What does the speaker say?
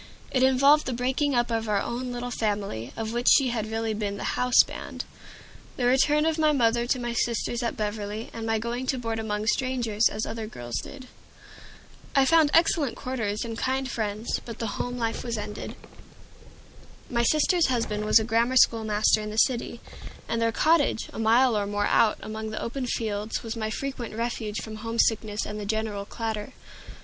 It involved the breaking up of our own little family, of which she had really been the "houseband," the return of my mother to my sisters at Beverly, and my going to board among strangers, as other girls did. I found excellent quarters and kind friends, but the home life was ended. My sister's husband was a grammar school master in the city, and their cottage, a mile or more out, among the open fields, was my frequent refuge from homesickness and the general clatter.